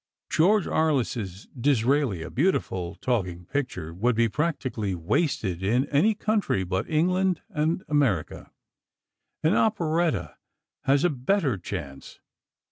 George Arliss's 'Disraeli,' a beautiful talking picture, would be practically wasted in any country but England and America. An operetta has a better chance.